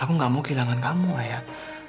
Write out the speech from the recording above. aku gak mau kehilangan kamu ayah